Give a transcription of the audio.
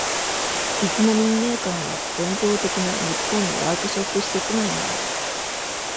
出雲民芸館は、伝統的な日本のワークショップ施設内にある。